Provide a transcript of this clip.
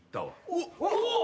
おっ！